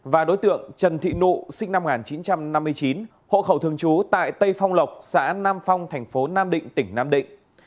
và đối tượng trần thị nụ sinh năm một nghìn chín trăm năm mươi chín hộ khẩu thường trú tại tây phong lộc xã nam phong thành phố nam định tỉnh nam định